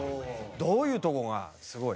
どういうとこがすごい？